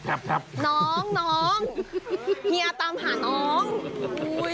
น้องเฮียตามหาน้อง